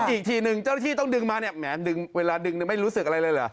อีกทีหนึ่งเจ้าหน้าที่ต้องดึงมาเนี่ยแหมดึงเวลาดึงไม่รู้สึกอะไรเลยเหรอ